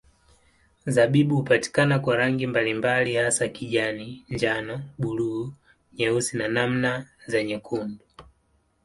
Zabibu hupatikana kwa rangi mbalimbali hasa kijani, njano, buluu, nyeusi na namna za nyekundu.